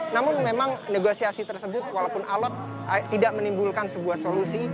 namun memang negosiasi tersebut walaupun alot tidak menimbulkan sebuah solusi